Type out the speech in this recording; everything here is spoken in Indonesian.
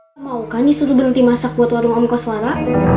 kau mau kan disuruh berhenti masak buat warung om koswara